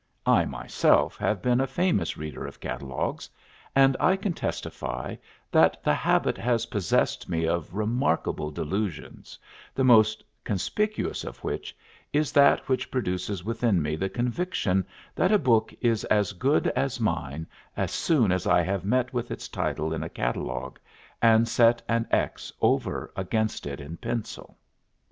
I myself have been a famous reader of catalogues, and I can testify that the habit has possessed me of remarkable delusions, the most conspicuous of which is that which produces within me the conviction that a book is as good as mine as soon as I have met with its title in a catalogue, and set an X over against it in pencil.